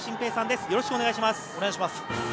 よろしくお願いします。